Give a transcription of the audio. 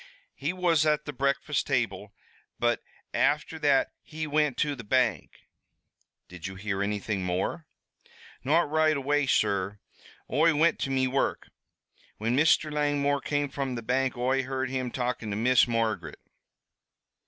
"He was at the breakfast table, but afther that he wint to the bank." "Did you hear anything more?" "Not right away, sur. Oi wint to me work. Whin Mr. Langmore came from the bank Oi heard him talkin' to Miss Margaret."